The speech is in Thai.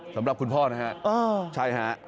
สำหรับคุณพ่อนะครับใช่ค่ะ